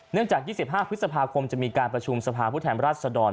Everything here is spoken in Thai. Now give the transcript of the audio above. เนื่องจาก๒๕พฤษภาคมจะมีการประชุมสภาผู้แถมราชดร